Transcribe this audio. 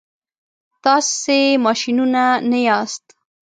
تاسي ماشینونه نه یاست.